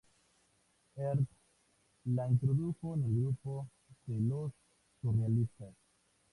Ernst la introdujo en el grupo de los surrealistas.